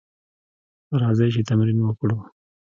راځئ چې تمرین وکړو: